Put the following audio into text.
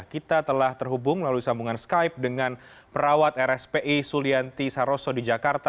kita telah terhubung melalui sambungan skype dengan perawat rspi sulianti saroso di jakarta